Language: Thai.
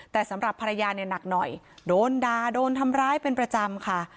แต่สำหรับภรรยาเนี่ยหนักหน่อยโดนด่าโดนทำร้ายเป็นประจำค่ะ